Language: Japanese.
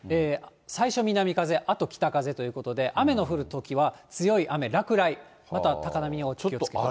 最初南風、あと北風ということで、雨の降るときは、強い雨、落雷、または高波にお気をつけください。